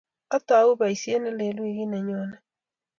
Atou boisie ne lel wikit ne nyone